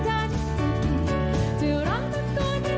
จัดไปเลยคุณผู้ชม